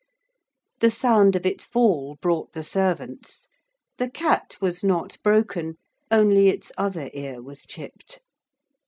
The sound of its fall brought the servants. The cat was not broken only its other ear was chipped.